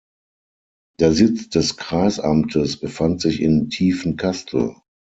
Der Sitz des Kreisamtes befand sich in Tiefencastel.